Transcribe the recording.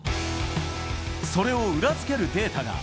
それを裏付けるデータが。